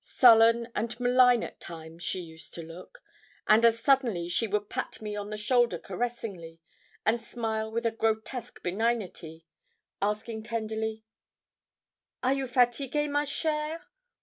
Sullen and malign at times she used to look, and as suddenly she would pat me on the shoulder caressingly, and smile with a grotesque benignity, asking tenderly, 'Are you fatigue, ma chère?'